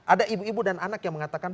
ada ibu ibu dan anak yang mengatakan